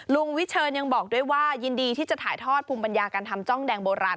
วิเชิญยังบอกด้วยว่ายินดีที่จะถ่ายทอดภูมิปัญญาการทำจ้องแดงโบราณ